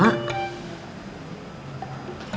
soalnya setiap andien ngerima bunga